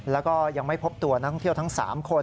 แล้วก็ยังไม่พบตัวนักท่องเที่ยวทั้ง๓คน